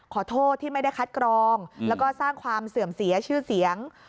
ขอโทษที่ไม่ได้คัดกรองแล้วก็สร้างความเสื่อมเสียชื่อเสียง